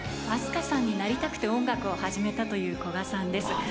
ＡＳＫＡさんになりたくて音楽を始めたという古賀さんです。